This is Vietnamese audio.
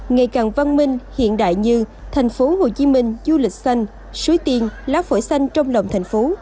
ngày càng văn minh hiện đại như tp hcm du lịch xanh suối tiên lá phổi xanh trong lòng thành phố